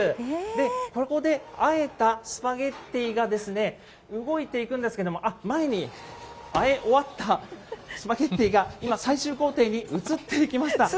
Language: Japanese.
ここであえたスパゲッティがですね、動いていくんですけども、前にあえ終わったスパゲッティが今、最終工程に移っていきました。